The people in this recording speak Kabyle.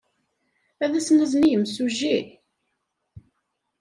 Ad as-nazen i yemsujji?